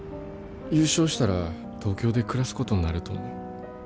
優勝したら東京で暮らすことになると思う。